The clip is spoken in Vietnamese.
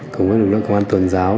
cùng với lực lượng công an tuần giáo